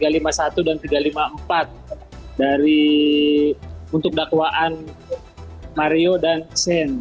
yang kedua bahwa kami mengkritisi pasal tiga ratus lima puluh empat untuk dakwaan mario dan sean